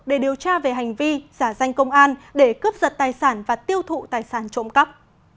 để điều tra về hành vi giả danh công an để cướp giật tài sản và tiêu thụ tài sản trộm cắp